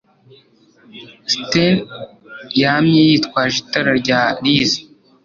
Stan yamye yitwaje itara rya Liz.